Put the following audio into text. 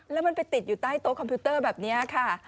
แล้วมันไปติดอยู่ใต้โต๊ะคอมพิวเตอร์แบบนี้ค่ะ